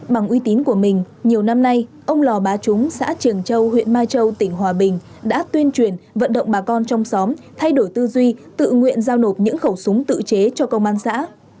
bằng uy tín của mình nhiều năm nay ông lò bá chúng xã trường châu huyện mai châu tỉnh hòa bình đã tuyên truyền vận động bà con trong xóm thay đổi tư duy tự nguyện giao nộp những khẩu súng tự chế cho công an xã